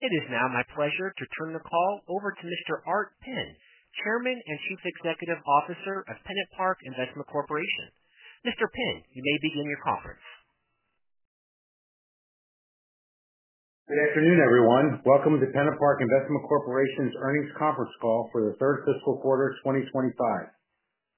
It is now my pleasure to turn the call over to Mr. Art Penn, Chairman and Chief Executive Officer of PennantPark Investment Corporation. Mr. Penn, you may begin your conference. Good afternoon, everyone. Welcome to PennantPark Investment Corporation's earnings conference call for the third fiscal quarter 2025.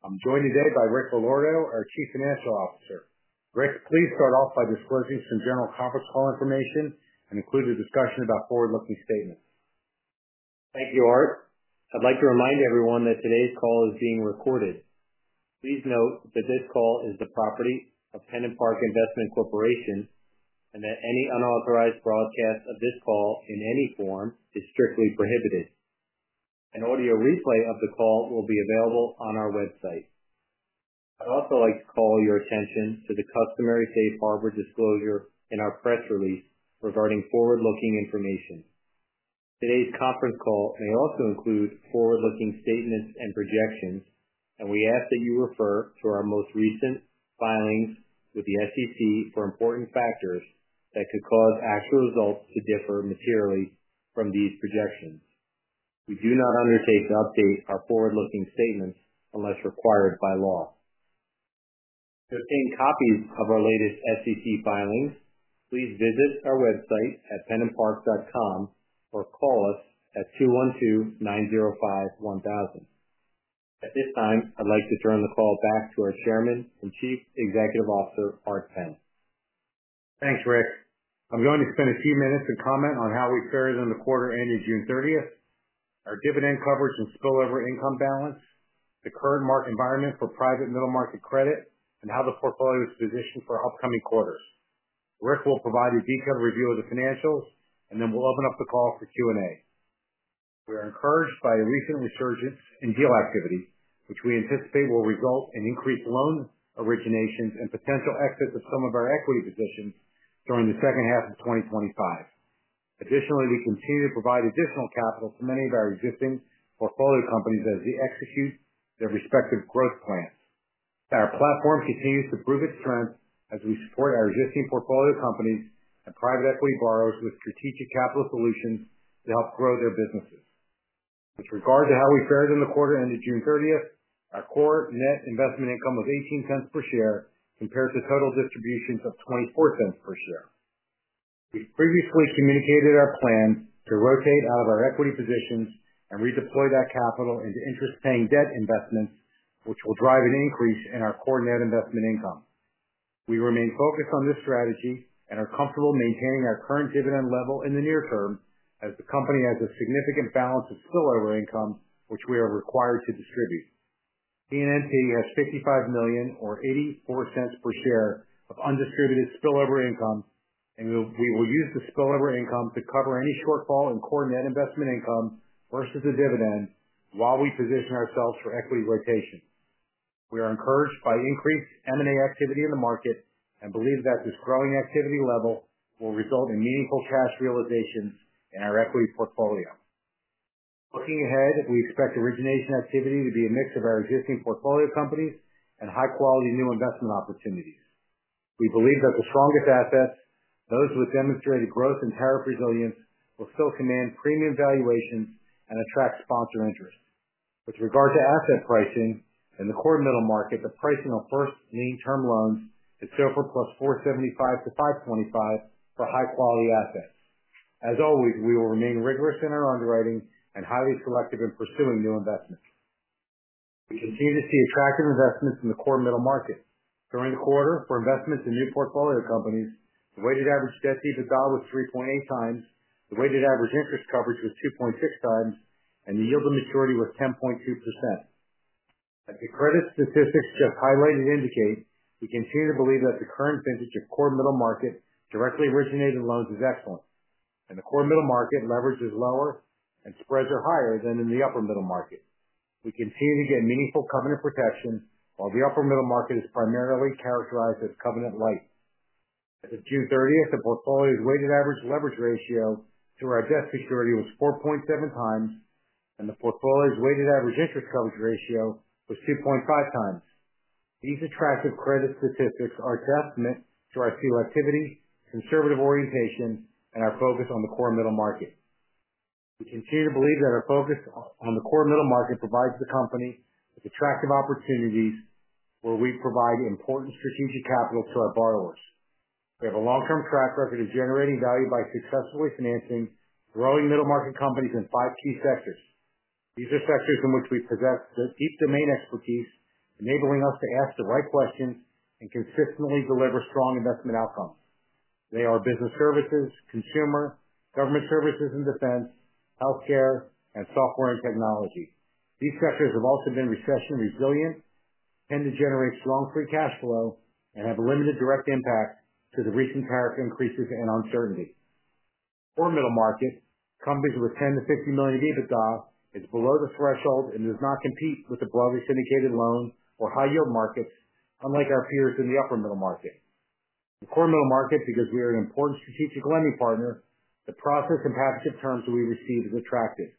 I'm joined today by Richard Allorto, our Chief Financial Officer. Rich, please start off by disclosing some general conference call information and include a discussion about forward-looking statements. Thank you, Art. I'd like to remind everyone that today's call is being recorded. Please note that this call is the property of PennantPark Investment Corporation and that any unauthorized broadcast of this call in any form is strictly prohibited. An audio replay of the call will be available on our website. I'd also like to call your attention to the customary safe harbor disclosure in our press release regarding forward-looking information. Today's conference call may also include forward-looking statements and projections, and we ask that you refer to our most recent filings with the SEC for important factors that could cause actual results to differ materially from these projections. We do not undertake to update our forward-looking statements unless required by law. To obtain copies of our latest SEC filings, please visit our website at pennantpark.com or call us at 212-905-1000. At this time, I'd like to turn the call back to our Chairman and Chief Executive Officer, Art Penn. Thanks, Rich. I'm going to spend a few minutes to comment on how we fared in the quarter ending June 30, our dividend coverage and spillover income balance, the current market environment for private middle market credit, and how the portfolio is positioned for upcoming quarters. Rich will provide a detailed review of the financials, and then we'll open up the call for Q&A. We are encouraged by a recent resurgence in deal activity, which we anticipate will result in increased loan originations and potential exits of some of our equity positions during the second half of 2025. Additionally, we continue to provide additional capital to many of our existing portfolio companies as they execute their respective growth plans. Our platform continues to prove its strength as we support our existing portfolio companies and private equity borrowers with strategic capital solutions to help grow their businesses. With regard to how we fared in the quarter ending June 30, our core net investment income was $0.18 per share compared to total distributions of $0.24 per share. We previously communicated our plans to rotate out of our equity positions and redeploy that capital into interest-paying debt investments, which will drive an increase in our core net investment income. We remain focused on this strategy and are comfortable maintaining our current dividend level in the near term as the company has a significant balance of spillover income, which we are required to distribute. PennantPark Investment Corporation has $55 million or $0.84 per share of undistributed spillover income, and we will use the spillover income to cover any shortfall in core net investment income versus the dividend while we position ourselves for equity rotation. We are encouraged by increased M&A activity in the market and believe that this growing activity level will result in meaningful cash realizations in our equity portfolio. Looking ahead, we expect origination activity to be a mix of our existing portfolio companies and high-quality new investment opportunities. We believe that the strongest assets, those with demonstrated growth and tariff resilience, will still command premium valuations and attract sponsor interest. With regard to asset pricing and the core middle market, the pricing on first lien term loans is SOFR plus 475-525 for high-quality assets. As always, we will remain rigorous in our underwriting and highly selective in pursuing new investments. We continue to see attractive investments in the core middle market. During the quarter, for investments in new portfolio companies, the weighted average debt to the dollar was 3.8 times, the weighted average interest coverage was 2.6x, and the yield to maturity was 10.2%. As the credit statistics have highlighted and indicate, we continue to believe that the current vintage of core middle market directly originated loans is excellent, and the core middle market leverage is lower and spreads are higher than in the upper middle market. We continue to get meaningful covenant protection, while the upper middle market is primarily characterized as covenant light. As of June 30, the portfolio's weighted average leverage ratio to our invest security was 4.7 times, and the portfolio's weighted average interest coverage ratio was 2.5x. These attractive credit statistics are a testament to our selectivity, conservative orientation, and our focus on the core middle market. We continue to believe that our focus on the core middle market provides the company with attractive opportunities where we provide important strategic capital to our borrowers. We have a long-term track record of generating value by successfully financing growing middle market companies in five key sectors. These are sectors in which we possess deep domain expertise, enabling us to ask the right questions and consistently deliver strong investment outcomes. They are business services, consumer, government services and defense, healthcare, and software and technology. These sectors have also been recession-resilient, tend to generate strong free cash flow, and have limited direct impact to the recent tariff increases and uncertainty. Core middle market companies with $10 million-$50 million EBITDA is below the threshold and does not compete with the broadly syndicated loan or high-yield markets, unlike our peers in the upper middle market. The core middle market, because we are an important strategic lending partner, the process and package of terms that we receive is attractive.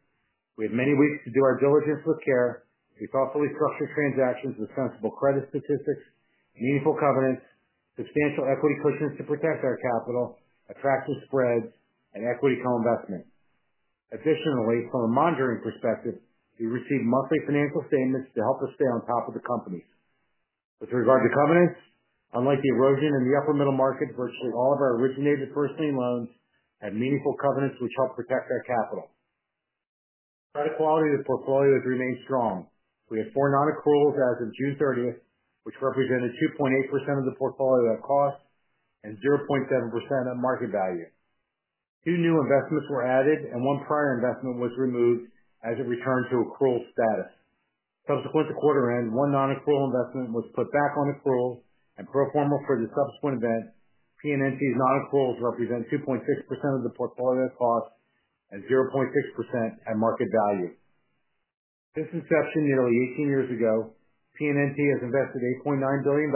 We have many weeks to do our diligence with care, be thoughtfully structured transactions, responsible credit statistics, meaningful covenants, substantial equity cushions to protect our capital, attractive spreads, and equity co-investments. Additionally, from a monitoring perspective, we receive monthly financial statements to help us stay on top of the companies. With regard to covenants, unlike the erosion in the upper middle market, virtually all of our originated first lien term loans have meaningful covenants which help protect our capital. Credit quality of the portfolio has remained strong. We have four non-accruals as of June 30, which represented 2.8% of the portfolio at cost and 0.7% at market value. Two new investments were added, and one prior investment was removed as it returned to accrual status. Subsequent to quarter end, one non-accrual investment was put back on accrual, and pro forma for the subsequent event, PennantPark Investment Corporation's non-accruals represent 2.6% of the portfolio at cost and 0.6% at market value. Since inception, nearly 18 years ago, PennantPark Investment Corporation has invested $8.9 billion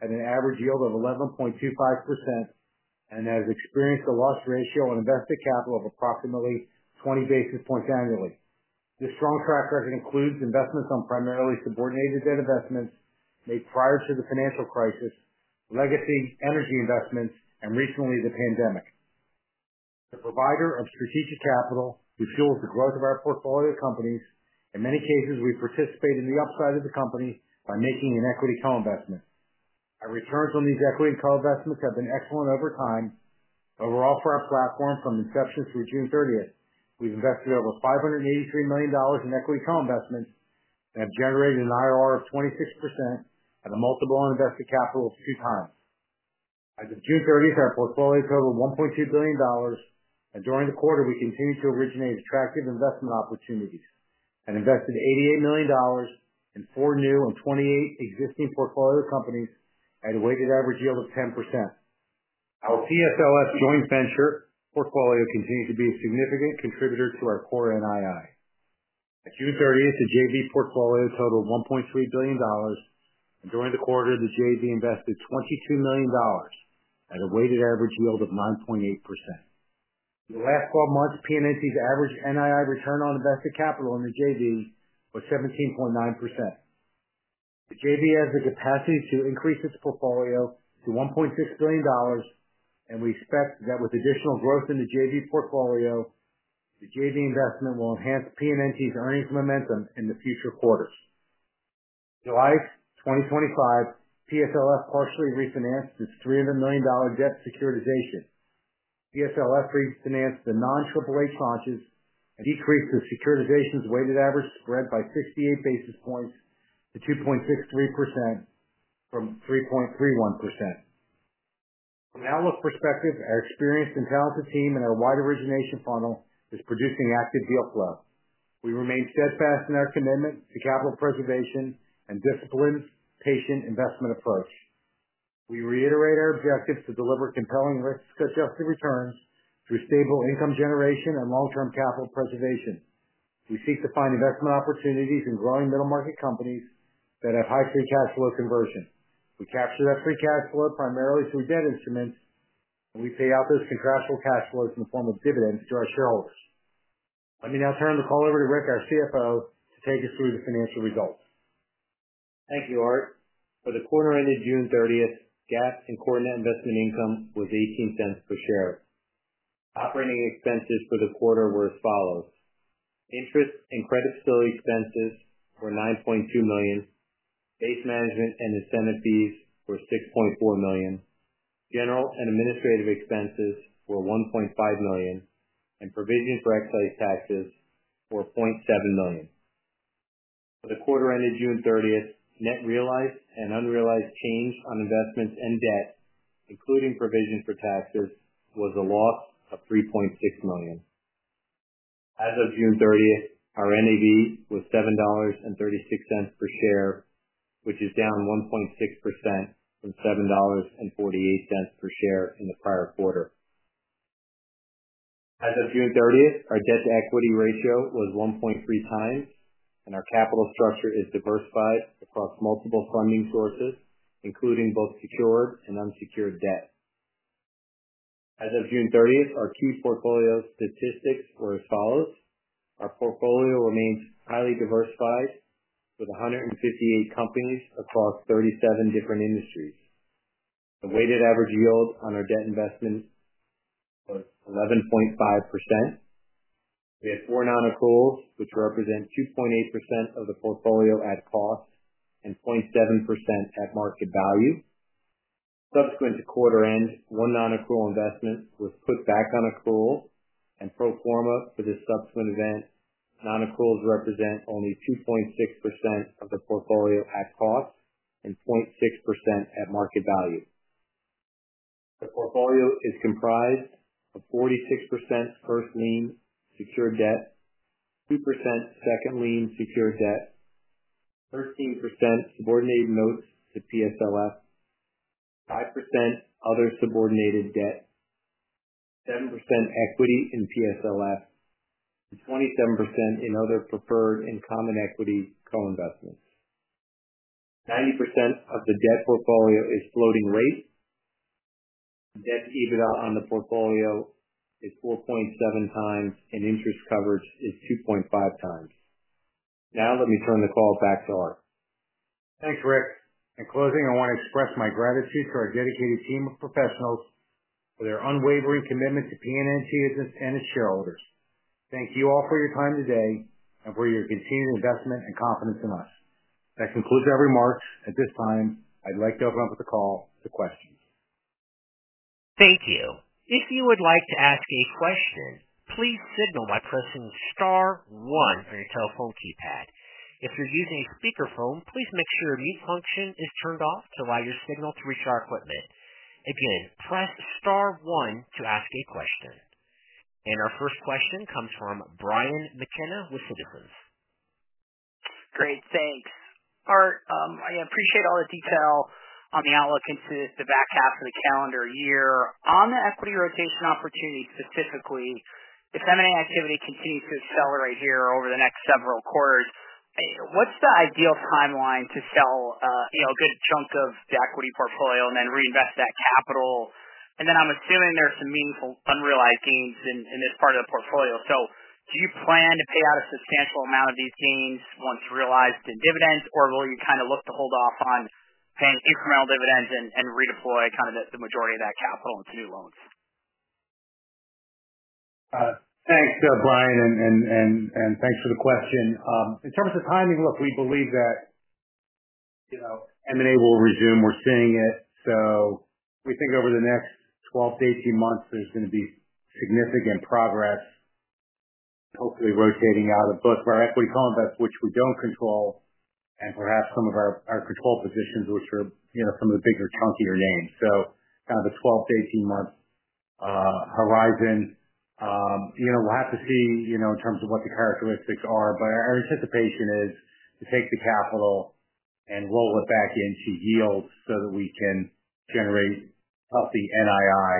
at an average yield of 11.25% and has experienced a loss ratio on invested capital of approximately 20 basis points annually. This strong track record includes investments on primarily subordinated debt instruments made prior to the financial crisis, legacy energy investments, and recently the pandemic. The provider of strategic capital that fuels the growth of our portfolio companies, in many cases, we participate in the upside of the company by making an equity co-investment. Our returns on these equity co-investments have been excellent over time. Overall, for our platform from inception through June 30, we've invested over $583 million in equity co-investments and have generated an IRR of 26% and a multiple on invested capital of two times. As of June 30, our portfolio totaled $1.2 billion, and during the quarter, we continued to originate attractive investment opportunities and invested $88 million in four new and 28 existing portfolio companies at a weighted average yield of 10%. Our CSLF joint venture portfolio continues to be a significant contributor to our core net investment income. On June 30, the joint venture portfolio totaled $1.3 billion, and during the quarter, the joint venture invested $22 million at a weighted average yield of 9.8%. In the last 12 months, PennantPark Investment Corporation's average net investment income return on invested capital in the joint venture was 17.9%. The joint venture has the capacity to increase its portfolio to $1.6 billion, and we expect that with additional growth in the joint venture portfolio, the joint venture investment will enhance PennantPark Investment Corporation's earnings momentum in the future quarters. In July 2025, CSLF partially refinanced its $300 million debt securitization. CSLF refinanced the non-Triple Eight branches and decreased the securitization's weighted average spread by 68 basis points to 2.63% from 3.31%. From an outlook perspective, our experienced and talented team and our wide origination funnel is producing active deal flow. We remain steadfast in our commitment to capital preservation and disciplined, patient investment approach. We reiterate our objectives to deliver compelling risk-adjusted returns through stable income generation and long-term capital preservation. We seek to find investment opportunities in growing middle market companies that have high free cash flow conversion. We capture that free cash flow primarily through debt instruments, and we pay out those contractual cash flows in the form of dividends to our shareholders. Let me now turn the call over to Richard Allorto, our Chief Financial Officer, to take us through the financial results. Thank you, Art. For the quarter ended June 30, core net investment income was $0.18 per share. Operating expenses for the quarter were as follows: interest and credit facility expenses were $9.2 million, base management and incentive fees were $6.4 million, general and administrative expenses were $1.5 million, and provision for excise taxes was $0.7 million. For the quarter ended June 30, net realized and unrealized change on investments and debt, including provision for taxes, was a loss of $3.6 million. As of June 30, our NAV was $7.36 per share, which is down 1.6% from $7.48 per share in the prior quarter. As of June 30, our debt-to-equity ratio was 1.3 times, and our capital structure is diversified across multiple funding sources, including both secured and unsecured debt. As of June 30, our portfolio statistics were as follows: our portfolio remains highly diversified with 158 companies across 37 different industries. The weighted average yield on our debt investments was 11.5%. We have four non-accruals, which represent 2.8% of the portfolio at cost and 0.7% at market value. Subsequent to quarter end, one non-accrual investment was put back on accrual, and pro forma for the subsequent event, non-accruals represent only 2.6% of the portfolio at cost and 0.6% at market value. The portfolio is comprised of 46% first lien secured debt, 2% second lien secured debt, 13% subordinated notes to CSLF, 5% other subordinated debt, 7% equity in CSLF, and 27% in other preferred and common equity co-investments. 90% of the debt portfolio is floating rate. The debt to EBITDA on the portfolio is 4.7 times, and interest coverage is 2.5 times. Now, let me turn the call back to Art. Thanks, Rich. In closing, I want to express my gratitude to our dedicated team of professionals for their unwavering commitment to PennantPark Investment Corporation business and its shareholders. Thank you all for your time today and for your continued investment and confidence in us. That concludes our remarks. At this time, I'd like to open up the call to questions. Thank you. If you would like to ask a question, please signal by pressing star one on your telephone keypad. If you're using a speakerphone, please make sure the mute function is turned off to allow your signal to reach our equipment. Again, press star one to ask a question. Our first question comes from Brian McKenna with Citizens JMP. Great, thanks. Art, I appreciate all the detail on the outlook into the back half of the calendar year. On the equity rotation opportunity specifically, if M&A activity continues to accelerate here over the next several quarters, what's the ideal timeline to sell a good chunk of the equity portfolio and then reinvest that capital? I'm assuming there's some meaningful unrealized gains in this part of the portfolio. Do you plan to pay out a substantial amount of these gains once realized in dividends, or will you kind of look to hold off on paying incremental dividends and redeploy kind of the majority of that capital into new loans? Thanks, Brian, and thanks for the question. In terms of timing, look, we believe that M&A will resume. We're seeing it. We think over the next 12-18 months, there's going to be significant progress, hopefully rotating out of both of our equity co-investments, which we don't control, and perhaps some of our controlled positions, which are some of the bigger, chunkier names. The 12-18-month horizon, you know, we'll have to see in terms of what the characteristics are, but our anticipation is to take the capital and roll it back into yield so that we can generate healthy NII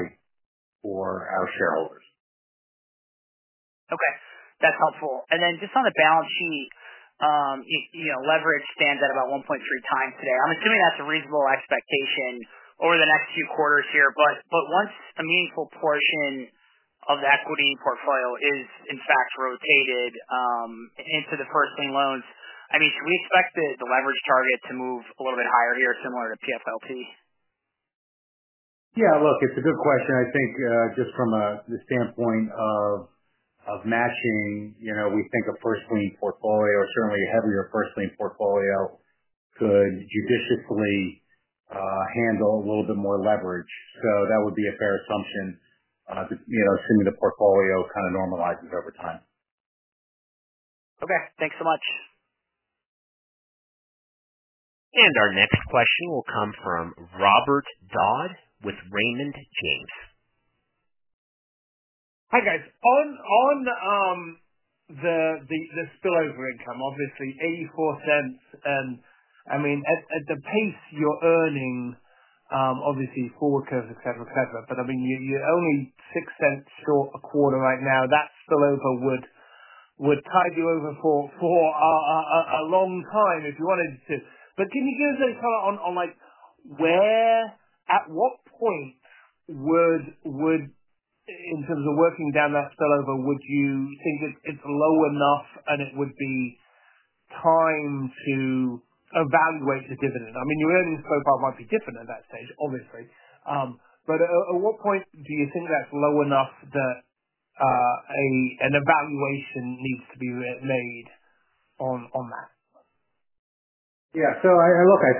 for our shareholders. Okay. That's helpful. Just on the balance sheet, you know, leverage stands at about 1.3 times today. I'm assuming that's a reasonable expectation over the next few quarters here. Once a meaningful portion of the equity portfolio is in fact rotated into the first lien loans, do we expect the leverage target to move a little bit higher here, similar to PFLT? Yeah, it's a good question. I think just from the standpoint of matching, we think a first lien portfolio, or certainly a heavier first lien portfolio, could judiciously handle a little bit more leverage. That would be a fair assumption, assuming the portfolio kind of normalizes over time. Okay, thanks so much. Our next question will come from Robert Dodd with Raymond James. Hi guys. On the spillover income, obviously $0.84, and at the pace you're earning, obviously forecast, etc., but you're only $0.06 short a quarter right now. That spillover would tide you over for a long time if you wanted to. Can you give us a quote on where, at what point, in terms of working down that spillover, would you think it's low enough and it would be time to evaluate the dividend? Your earnings profile might be different at that stage, obviously. At what point do you think that's low enough that an evaluation needs to be made on that? I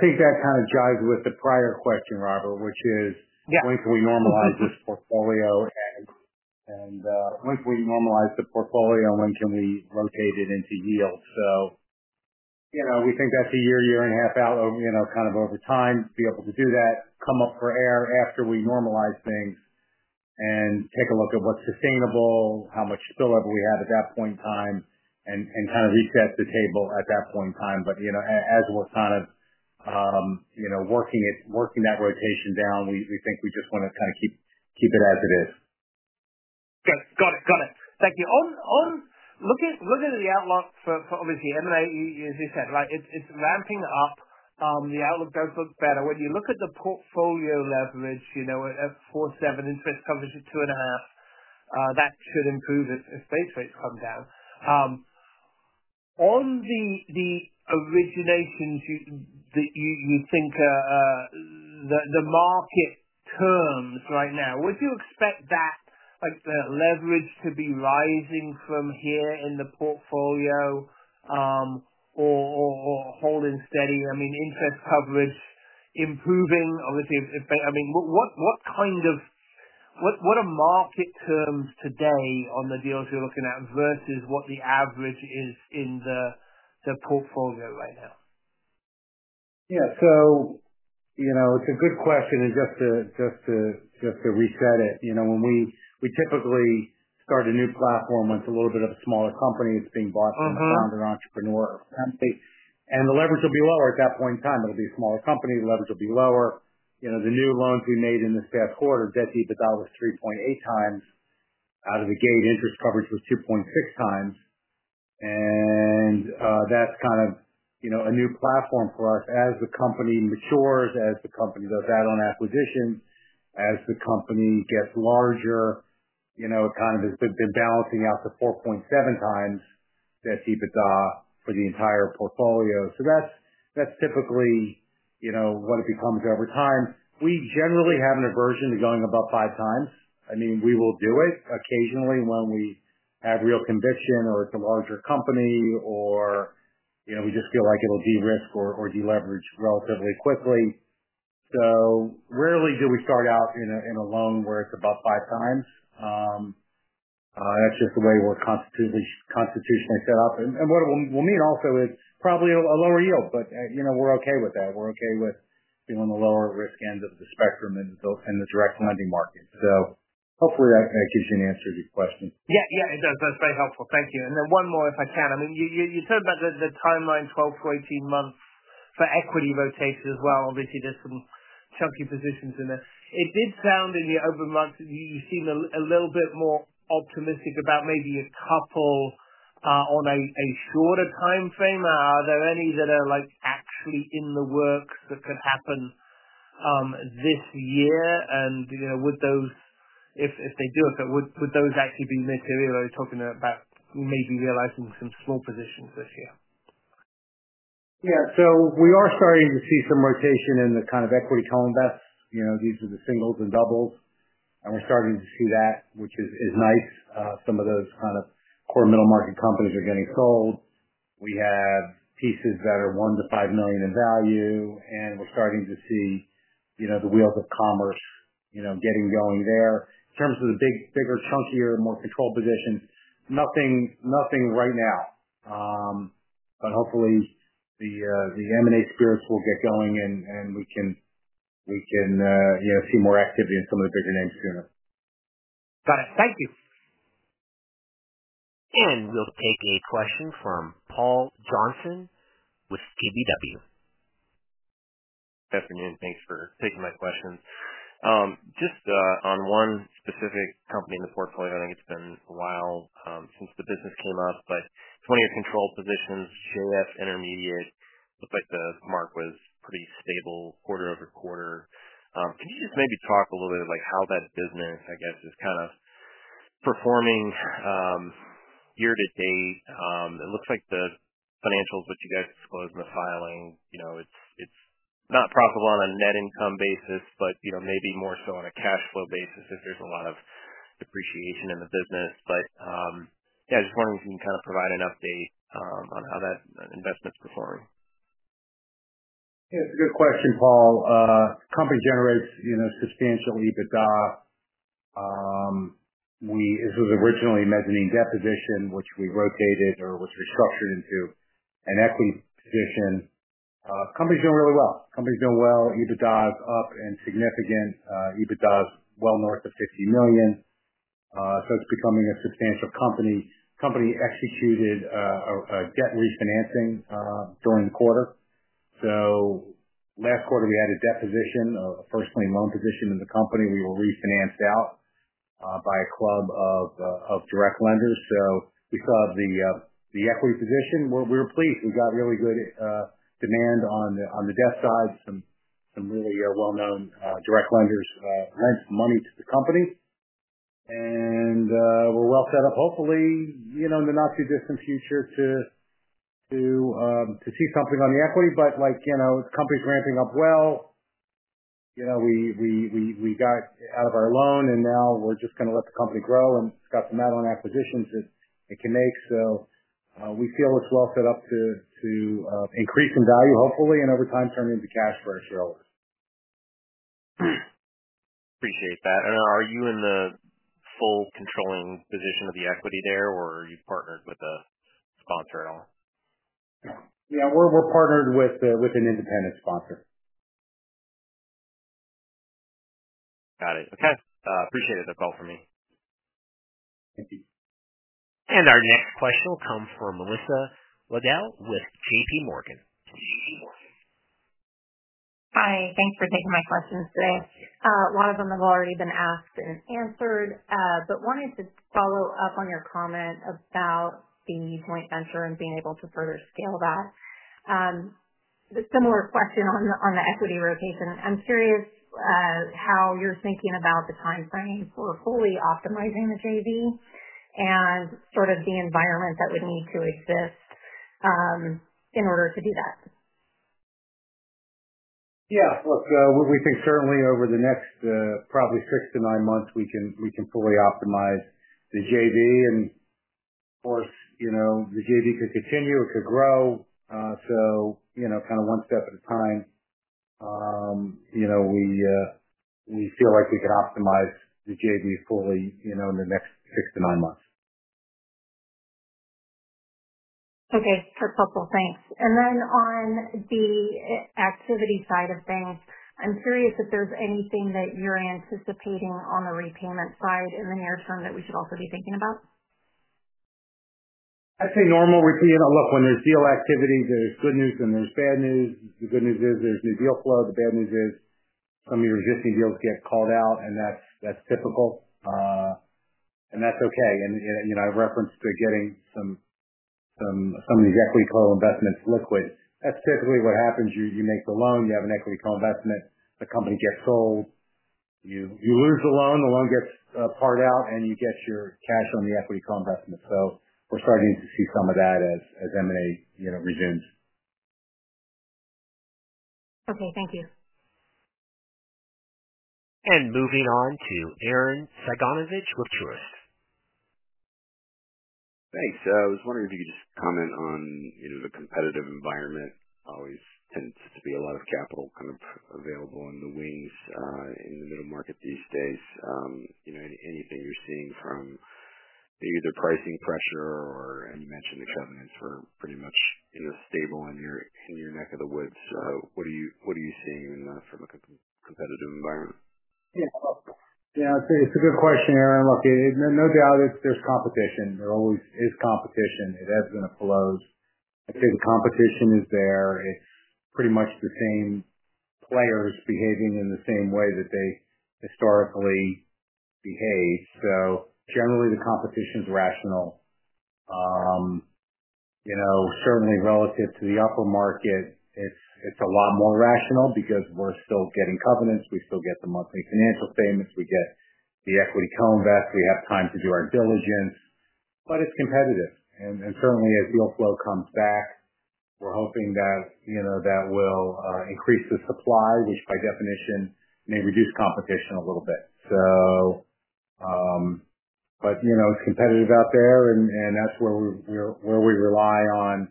think that kind of jives with the prior question, Robert, which is when can we normalize this portfolio and when can we rotate it into yield? We think that's a year, year and a half out, kind of over time to be able to do that, come up for air after we normalize things and take a look at what's sustainable, how much spillover we have at that point in time, and kind of reset the table at that point in time. As we're working that rotation down, we think we just want to keep it as it is. Thanks. Got it. Thank you. On looking at the outlook for obviously M&A, as you said, it's ramping up. The outlook does look better. When you look at the portfolio leverage, you know, at 4.7, interest coverage at 2.5, that should improve as pay trades come down. On the originations that you think are the market terms right now, would you expect that leverage to be rising from here in the portfolio or holding steady? I mean, interest coverage improving. Obviously, I mean, what kind of what are market terms today on the deals you're looking at versus what the average is in the portfolio right now? Yeah. It's a good question. Just to reset it, when we typically start a new platform, it's a little bit of a smaller company. It's being bought by a founder entrepreneur of a company, and the leverage will be lower at that point in time. It'll be a smaller company. The leverage will be lower. The new loans we made in this past quarter, debt to EBITDA was 3.8x. Out of the gate, interest coverage was 2.6x. That's kind of a new platform for us. As the company matures, as the company does add-on acquisition, as the company gets larger, it kind of has been balancing out to 4.7x debt to EBITDA for the entire portfolio. That's typically what it becomes over time. We generally have an aversion to going above five times. I mean, we will do it occasionally when we have real conviction or it's a larger company or we just feel like it'll de-risk or de-leverage relatively quickly. Rarely do we start out in a loan where it's above five times. That's just the way we're constitutionally set up. What we'll mean also is probably a lower yield, but we're okay with that. We're okay with being on the lower risk end of the spectrum in the direct lending market. Hopefully, that gives you an answer to your question. Yeah, it does. That's very helpful. Thank you. One more, if I can. I mean, you talked about the timeline, 12-18 months for equity rotation as well. Obviously, there's some chunky positions in there. It did sound in the over months that you seem a little bit more optimistic about maybe a couple on a shorter timeframe. Are there any that are actually in the work that could happen this year? Would those, if they do it, actually be mid-to-year? Are we talking about maybe realizing some small positions this year? We are starting to see some rotation in the kind of equity co-investments. These are the singles and doubles, and we're starting to see that, which is nice. Some of those kind of core middle market companies are getting sold. We have pieces that are $1 million-$5 million in value, and we're starting to see the wheels of commerce getting going there. In terms of the big, bigger, chunkier, more controlled position, nothing right now. Hopefully, the M&A spirits will get going and we can see more activity in some of the bigger names sooner. Got it. Thank you. We will take a question from Paul Johnson with KBW. Good afternoon. Thanks for taking my questions. Just on one specific company in the portfolio, I think it's been a while since the business came up, but 20-year control positions, GAF Intermediate, looked like the mark was pretty stable quarter over quarter. Can you just maybe talk a little bit about how that business is kind of performing year to date? It looks like the financials that you guys disclosed in the filing, it's not profitable on a net income basis, but maybe more so on a cash flow basis if there's a lot of depreciation in the business. I just wondered if you can kind of provide an update on how that investment is performing. Yeah, good question, Paul. The company generates substantial EBITDA. This was originally a mezzanine debt position, which we rotated or was restructured into an equity position. The company's doing really well. The company's doing well. EBITDA is up and significant. EBITDA is well north of $50 million. It's becoming a substantial company. The company executed a debt refinancing during the quarter. Last quarter, we had a debt position, a first lien loan position in the company. We were refinanced out by a club of direct lenders. Because of the equity position, we're pleased. We've got really good demand on the debt side. Some really well-known direct lenders lent money to the company. We're well set up, hopefully, in the not-too-distant future to see something on the equity. The company's ramping up well. We got out of our loan and now we're just going to let the company grow and it's got the add-on acquisitions that it can make. We feel it's well set up to increase in value, hopefully, and over time turn into cash for our shareholders. Appreciate that. Are you in the full controlling position of the equity there, or are you partnered with a sponsor at all? Yeah, we're partnered with an independent sponsor. Got it. Okay. Appreciate it. That's all for me. Our next question will come from Melissa Wedel with JPMorgan. Hi, thanks for taking my questions. A lot of them have already been asked and answered, but wanted to follow up on your comment about the joint venture and being able to further scale that. A similar question on the equity rotation. I'm curious how you're thinking about the timeframe for fully optimizing the JV and sort of the environment that would need to exist in order to do that. Yeah. We think certainly over the next probably six to nine months, we can fully optimize the JV. Of course, the JV could continue. It could grow. One step at a time. We feel like we could optimize the JV fully in the next six to nine months. Okay, that's helpful. Thanks. On the activity side of things, I'm curious if there's anything that you're anticipating on the repayment side in the near term that we should also be thinking about? I'd say normal would be, you know, look, when there's deal activity, there's good news and there's bad news. The good news is there's new deal flow. The bad news is some of your existing deals get called out, and that's typical. That's okay. I referenced to getting some of these equity co-investments liquid. That's typically what happens. You make the loan, you have an equity co-investment, the company gets sold, you lose the loan, the loan gets parred out, and you get your cash on your equity co-investment. We're starting to see some of that as M&A resumes. Okay, thank you. Moving on to Aaron Sagonovich with Choice. Thanks. I was wondering if you could just comment on the competitive environment. There always tends to be a lot of capital kind of available in the wings in the middle market these days. Anything you're seeing from either pricing pressure, and you mentioned the covenants are pretty much stable in your neck of the woods. What are you seeing in a competitive environment? Yeah, it's a good question, Aaron. Look, no doubt there's competition. There always is competition. It has been a close. I think competition is there. It's pretty much the same players behaving in the same way that they historically behave. Generally, the competition is rational. Certainly relative to the upper market, it's a lot more rational because we're still getting covenants. We still get the monthly financial statements. We get the equity co-investments. We have time to do our diligence. It's competitive. Certainly, as deal flow comes back, we're hoping that will increase the supply, which by definition may reduce competition a little bit. It's competitive out there, and that's where we rely on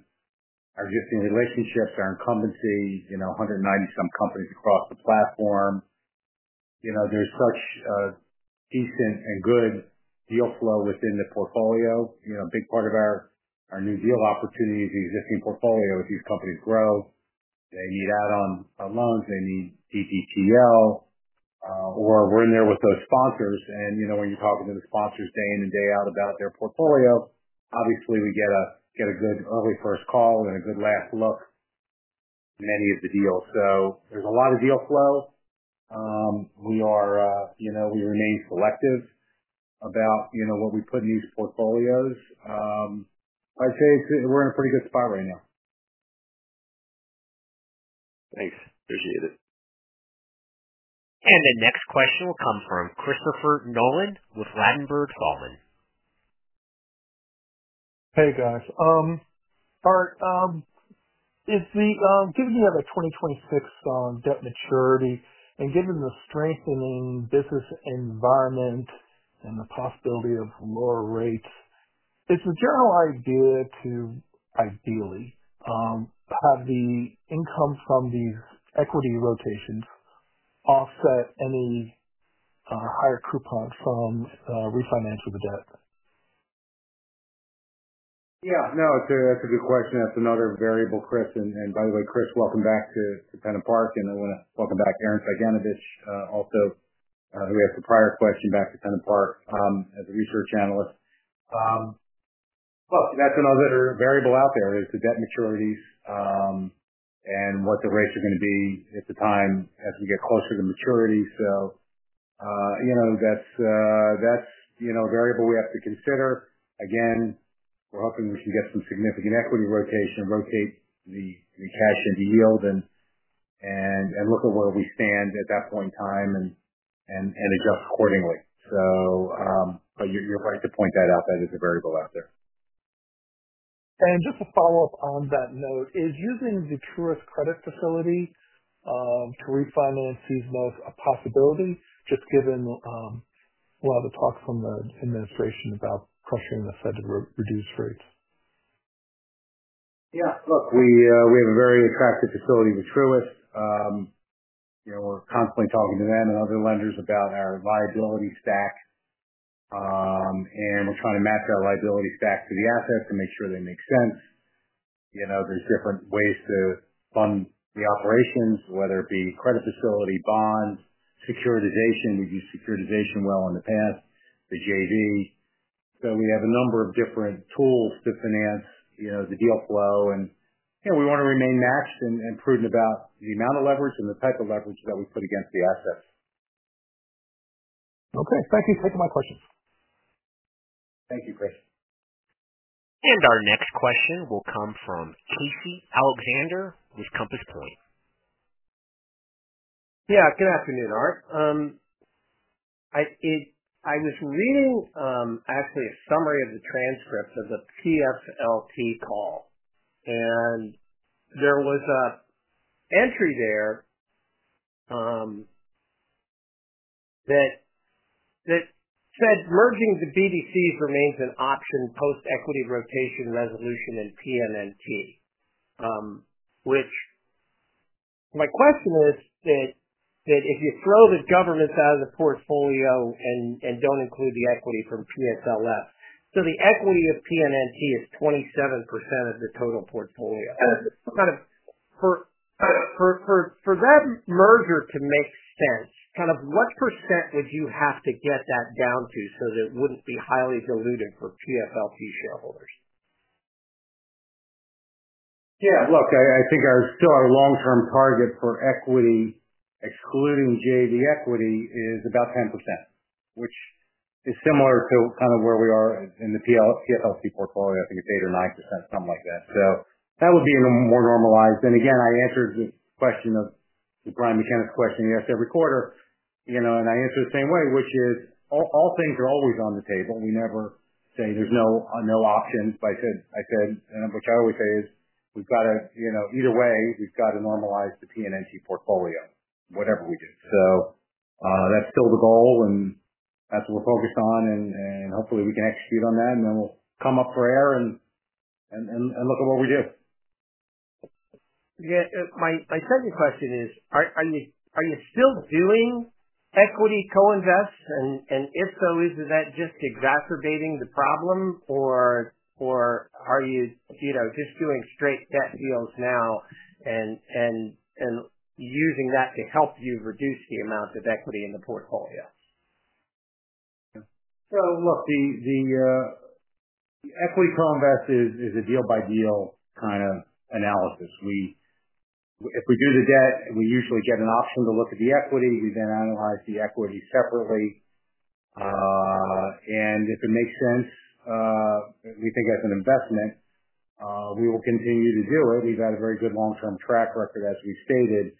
our existing relationships, our incumbency, 190 some companies across the platform. There's such a decent and good deal flow within the portfolio. A big part of our new deal opportunities is in the existing portfolio as these companies grow. They need add-on loans. They need DDTL. We're in there with those sponsors. When you talk with them sponsors day in and day out about their portfolio, obviously, we get a good early first call and a good last look at many of the deals. There's a lot of deal flow. We remain selective about what we put in these portfolios. I'd say we're in a pretty good spot right now. Thanks. Appreciate it. The next question will come from Christopher Nolan with Ladenburg Thalmann. Hey guys. All right. Given you have a 2026 debt maturity and given the strengthening business environment and the possibility of lower rates, it's a general idea to ideally have the income from these equity rotations offset any higher coupons from refinancing the debt. Yeah. No, that's a good question. That's another variable, Chris. By the way, Chris, welcome back to PennantPark. I want to welcome back Aaron Sagonovich also, who had some prior questions back to PennantPark as a research analyst. That's another variable out there, the debt maturities and what the rates are going to be at the time as we get closer to the maturity. That's a variable we have to consider. Again, we're hoping we can get some significant equity rotation and rotate the cash into yield and look at where we stand at that point in time and adjust accordingly. You're right to point that out. That is a variable out there. Is using the Truist Credit Facility to refinance sees more of a possibility, just given a lot of the talk from the administration about pressuring the Fed to reduce rates? Yeah. Look, we have a very attractive facility with Truist. We're constantly talking to them and other lenders about our liability stack. We're trying to match our liability stack to the assets to make sure they make sense. There are different ways to fund the operations, whether it be credit facility, bonds, securitization. We've used securitization well in the past, the JV. We have a number of different tools to finance the deal flow. We want to remain maxed and prudent about the amount of leverage and the type of leverage that we put against the assets. Okay, thank you for taking my questions. Thank you, Chris. Our next question will come from Casey Alexander with Compass Point. Yeah. Good afternoon, Art. I was reading actually a summary of the transcripts of the PFLT call, and there was an entry there that said merging the BDCs remains an option post-equity rotation resolution in PNNP. My question is that if you throw the governments out of the portfolio and don't include the equity from CSLF, so the equity of PNNP is 27% of the total portfolio. For that merger to make sense, what percent would you have to get that down to so that it wouldn't be highly diluted for PFLT shareholders? Yeah. Look, I think our long-term target for equity, excluding JV equity, is about 10%, which is similar to kind of where we are in the PFLT portfolio. I think it's 8 or 9%, something like that. That would be even more normalized. I answered Brian McKenna's question he asks every quarter, you know, and I answered the same way, which is all things are always on the table. We never say there's no options. What I always say is we've got to, you know, either way, we've got to normalize the PNNP portfolio, whatever we do. That's still the goal and that's what we're focused on. Hopefully, we can execute on that. Then we'll come up for air and look at what we do. Yeah. My second question is, are you still doing equity co-investments? If so, isn't that just exacerbating the problem? Are you just doing straight debt deals now and using that to help you reduce the amount of equity in the portfolio? The equity co-invest is a deal-by-deal kind of analysis. If we do the debt, we usually get an option to look at the equity. We then analyze the equity separately, and if it makes sense, we think as an investment, we will continue to do it. We've had a very good long-term track record, as we stated.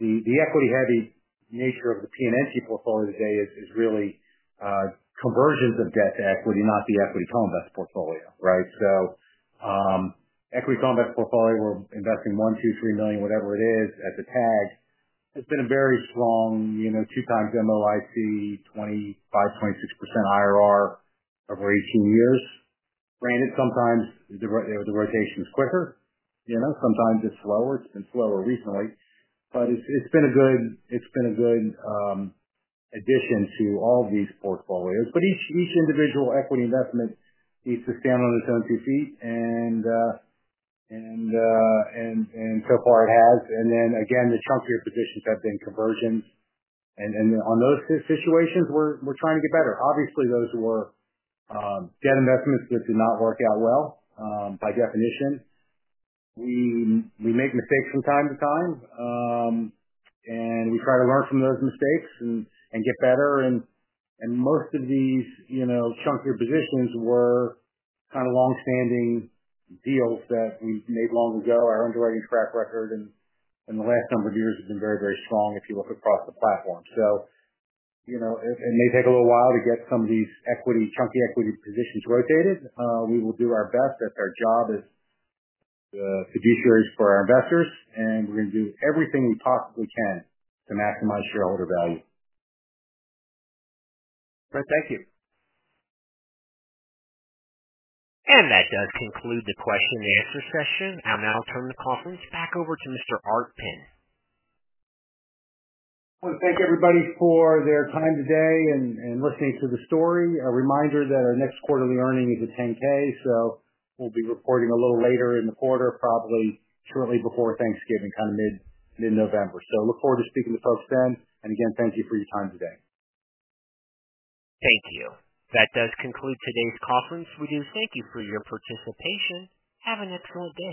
The equity-heavy nature of the PennantPark Investment Corporation portfolio today is really conversions of debt to equity, not the equity co-invest portfolio, right? The equity co-invest portfolio, we're investing $1 million-$3 million, whatever it is, as it is tagged. It's been a very strong, you know, two-time demo I'd see, 25.6% IRR over 18 years. Granted, sometimes the rotation is quicker, sometimes it's slower. It's been slower recently, but it's been a good addition to all of these portfolios. Each individual equity investment needs to stand on its own two feet, and so far, it has. The chunkier positions have been conversions, and on those situations, we're trying to get better. Obviously, those were debt investments that did not work out well by definition. We make mistakes from time to time, and we try to learn from those mistakes and get better. Most of these chunkier positions were kind of long-standing deals that we've made long ago. Our underwriting track record in the last number of years has been very, very strong if you look across the platform. It may take a little while to get some of these chunky equity positions rotated. We will do our best. That's our job as fiduciaries for our investors, and we're going to do everything we possibly can to maximize shareholder value. All right. Thank you. That does conclude the question and answer session. I'll turn the conference back over to Mr. Art Penn. I want to thank everybody for their time today and listening to the story. A reminder that our next quarterly earning is at 10-K. We'll be recording a little later in the quarter, probably shortly before Thanksgiving, kind of mid-November. I look forward to speaking to folks then. Again, thank you for your time today. Thank you. That does conclude today's conference. We do thank you for your participation. Have an excellent day.